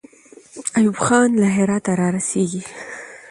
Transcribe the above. ایوب خان له هراته را رسېږي.